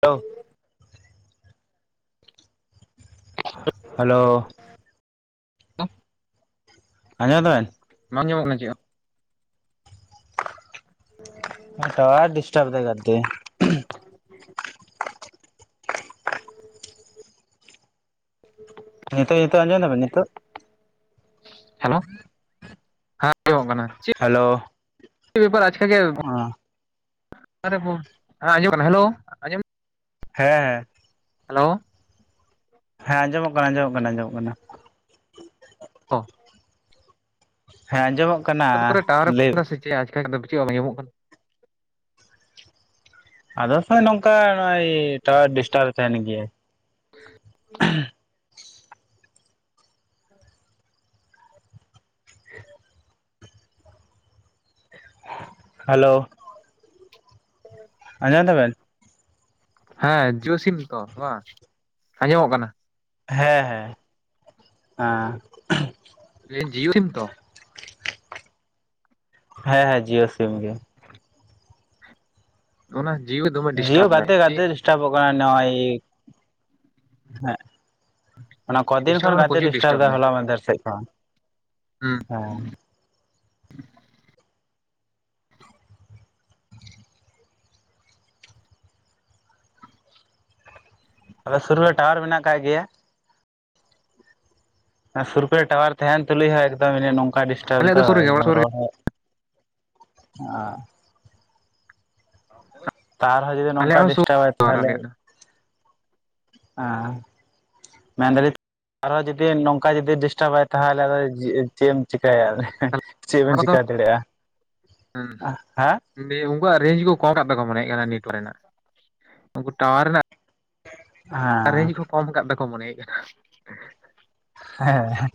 Hello hello [unintelligible] ᱟᱡᱚᱢ ᱫᱟᱵᱮᱱ? ᱵᱟᱝ ᱧᱟᱢᱚᱜ ᱠᱟᱱᱟ ᱪᱮᱫ ᱦᱚᱸ ᱾ [unintelligible] ᱴᱟᱣᱟᱲ ᱰᱤᱥᱴᱵᱽ ᱫᱟᱭ ᱜᱟᱛᱮ ᱾ ᱱᱤᱛᱚᱜ ᱱᱤᱛᱚᱜ ᱟᱸᱡᱚᱢᱫᱟᱵᱮᱱ ᱱᱤᱛᱚᱜ? ᱦᱮᱞᱳ ᱦᱮᱸ [inaudible] ᱚᱜ ᱠᱟᱱᱟ ᱾ ᱦᱮᱞᱳ ᱪᱮ ᱵᱮᱯᱟᱨ ᱟᱪᱠᱟ ᱜᱮ ᱚ [inaudible] ᱵᱚᱸ ᱦᱮᱸ ᱟᱡᱚᱢᱚᱜ ᱠᱟᱱᱟ ᱦᱮᱞᱳ ᱾ ᱦᱮᱸᱮᱸ ᱦᱮᱞᱳ ᱦᱮᱸ ᱟᱸᱡᱚᱢᱚᱜ ᱠᱟᱱᱟ ᱟᱸᱡᱚᱢᱚᱜ ᱠᱟᱱᱟ ᱟᱸᱡᱚᱢᱚᱜ ᱠᱟᱱᱟ ᱾ ᱚᱸᱻ ᱦᱮᱸ ᱟᱡᱚᱢᱚᱜ ᱠᱟᱱᱟ ᱾ ᱠᱚᱨᱮ ᱴᱟᱣᱟᱨ ᱨᱮ ᱯᱨᱚᱵᱮᱞᱮᱢ ᱥᱮ ᱪᱮᱫ ᱟᱪᱠᱟ ᱫᱚ ᱪᱮᱫ ᱦᱚᱸ ᱵᱟᱝ ᱟᱡᱚᱢᱚᱜ ᱠᱟᱱᱟ ᱟᱫᱚ ᱥᱮᱭ ᱱᱚᱝᱠᱟ ᱱᱚᱜᱚᱭ ᱴᱟᱣᱟᱨ ᱰᱤᱥᱴᱟᱵ ᱛᱟᱦᱮᱱ ᱜᱮᱭᱟᱭ ᱦᱮᱞᱳ ᱦᱩᱸ ᱟᱡᱚᱢ ᱫᱟᱵᱮᱱ? ᱦᱮᱸ ᱡᱳ ᱥᱤᱢ ᱛᱚ ᱵᱟᱝ ᱟᱸᱡᱚᱢᱚᱜ ᱠᱟᱱᱟ ᱾ ᱦᱮᱸ ᱦᱮᱸ ᱦ ᱪᱮᱫ ᱡᱤᱭᱳ ᱥᱤᱢ ᱛᱚ? ᱦᱮᱸ ᱦᱮᱸ ᱡᱤᱭᱳ ᱥᱤᱢ ᱜᱮ ᱾ [unintelligible] ᱚᱱᱟ ᱡᱤᱣᱳ ᱫᱚᱢᱮ ᱰᱤᱥᱴᱟᱵ ᱫᱟᱭ ᱪᱮ ᱴᱟᱵ ᱚᱜ ᱠᱟᱱᱟ ᱱᱚᱜᱼᱚᱭ ᱦᱮᱸ ᱚᱱᱟ ᱠᱚᱫᱤᱱ ᱰᱤᱥᱴᱟᱵ ᱠᱷᱚᱱ ᱢᱟᱱᱮ ᱜᱟᱛᱮ ᱯᱨᱚᱪᱩᱨ ᱰᱤᱥᱴᱟᱵᱽ ᱰᱤᱥᱴᱟᱵ ᱮᱫᱟᱭ ᱫᱟᱭ ᱦᱚᱞᱟ ᱢᱟᱫᱷᱮᱨ ᱥᱮᱫ ᱦᱩᱸ ᱠᱷᱚᱱᱟᱜ ᱦᱮᱸ ᱟᱯᱮ ᱥᱳᱨ ᱨᱮ ᱴᱟᱣᱟᱨ ᱢᱮᱱᱟᱜ ᱠᱟᱫ ᱜᱮᱭᱟ? ᱟ ᱥᱩᱨ ᱠᱚᱨᱮ ᱴᱟᱣᱟᱨ ᱛᱟᱦᱮᱱ ᱛᱩᱞᱩᱡ ᱦᱚᱸ ᱮᱠᱫᱚᱢ ᱤᱧᱟᱜ ᱱᱚᱝᱠᱟ ᱰᱤᱥᱴᱟᱵ ᱟᱞᱮᱭᱟᱜ ᱫᱚ ᱥᱩᱨ ᱨᱮᱜᱮ ᱚᱲᱟᱜ ᱮᱠᱫᱚᱢ ᱥᱩᱨ ᱨᱮᱜᱮ ᱨᱚᱲ ᱦᱚᱸ ᱦ [unintelligible] ᱛᱟᱶ ᱨᱮᱦᱚᱸ ᱡᱩᱫᱤ ᱟᱞᱮᱭᱟᱜ ᱱᱚᱝᱠᱟ ᱦᱚᱸ ᱥᱩᱨ ᱰᱤᱥᱴᱟᱵ ᱟᱭ ᱟᱨ ᱛᱟᱦᱚᱞᱮ ᱟᱞᱮᱭᱟᱜ ᱫᱚ ᱦᱮᱸ ᱢᱮᱱᱫᱟᱞᱤᱧ ᱟᱨᱦᱚᱸ ᱡᱩᱫᱤ ᱱᱚᱝᱠᱟ ᱡᱩᱫᱤ ᱰᱤᱥ ᱪᱟᱵᱟᱭᱟ ᱛᱟᱦᱚᱞᱮ ᱟᱫᱚ ᱪᱮᱫ ᱪᱮᱫ ᱮᱢ ᱪᱤᱠᱟᱹᱭᱟ ᱟᱫᱚ ᱦᱮ ᱚᱱᱟ ᱠᱚᱫᱚ ᱦᱮᱸ ᱦᱩᱸ ᱫᱤᱭᱮ ᱩᱱᱠᱩᱶᱟᱜ ᱨᱮᱸᱡ ᱠᱚ ᱠᱚᱢ ᱠᱟᱜ ᱛᱟᱠᱚᱶᱟ ᱢᱚᱱᱮ ᱦᱳᱭᱳᱜ ᱠᱟᱱᱟ ᱱᱮᱴᱣᱟᱨᱠ ᱨᱮᱱᱟᱜ ᱩᱱᱠᱩ ᱴᱟᱣᱟᱨ ᱨᱮᱱᱟᱜ ᱟᱨ ᱨᱮᱱᱡᱽ ᱠᱚ ᱠᱚᱢ ᱠᱟᱜ ᱛᱟᱠᱚ ᱢᱚᱱᱮᱭᱮᱫ ᱠᱟᱱᱟ ᱾ ᱦᱮᱸ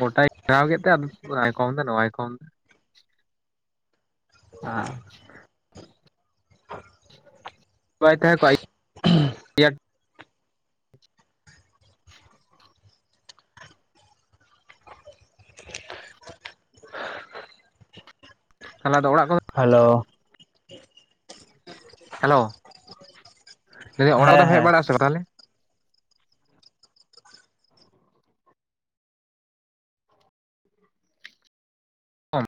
ᱜᱚᱴᱟᱭ ᱜᱮᱨᱟᱣ ᱠᱮᱫ ᱛᱮ ᱟᱫᱚ ᱦᱟᱱᱟᱭ ᱠᱚᱢ ᱫᱟ ᱱᱚᱶᱟᱭ ᱠᱚᱢ ᱫᱟ ᱟᱸᱻ ᱦᱸ ᱵᱟᱭ ᱛᱟᱦᱮᱸ ᱠᱚᱜᱟᱭ ᱩᱦᱸᱻ [unintelligible] ᱛᱟᱦᱮᱞᱮ ᱟᱫᱚ ᱚᱲᱟᱜ ᱠᱚ ᱦᱮᱞᱳ ᱦᱮᱞᱳ ᱞᱟᱹᱭ ᱫᱟ ᱚᱲᱟᱜ ᱦᱮᱸ ᱠᱚᱫᱚᱢ ᱦᱮᱡ ᱦᱮᱸ ᱵᱟᱲᱟᱜ ᱟ ᱥᱮ ᱵᱟᱝ ᱛᱟᱦᱚᱞᱮ? ᱦᱩᱸ